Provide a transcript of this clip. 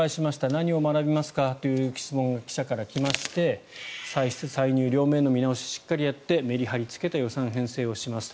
何を学びますかという質問が記者から来まして歳出・歳入の両面の見直しをしっかりやってメリハリをつけた予算編成をします